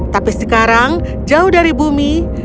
tapi sekarang jauh dari bumi